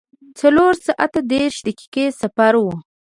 څلور ساعته دېرش دقیقې سفر و.